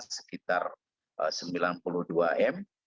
sekitar sembilan puluh dua m